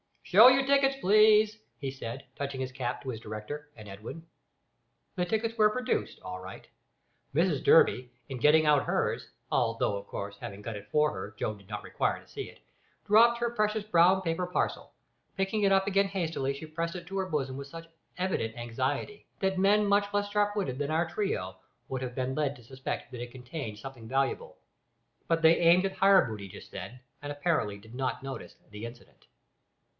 "Show your tickets, please," he said, touching his cap to his director and Edwin. The tickets were produced all right. Mrs Durby, in getting out hers, although, of course, having got it for her, Joe did not require to see it, dropped her precious brown paper parcel. Picking it up again hastily she pressed it to her bosom with such evident anxiety, that men much less sharp witted than our trio, would have been led to suspect that it contained something valuable. But they aimed at higher booty just then, and apparently did not notice the incident.